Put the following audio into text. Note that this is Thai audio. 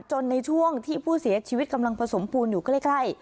ในช่วงที่ผู้เสียชีวิตกำลังผสมปูนอยู่ใกล้